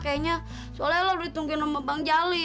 kayaknya soalnya ella udah ditungguin sama bang jali